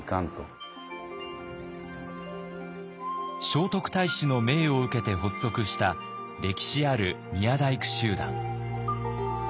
聖徳太子の命を受けて発足した歴史ある宮大工集団。